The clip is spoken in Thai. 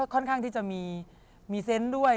ค่อนข้างที่จะมีเซนต์ด้วย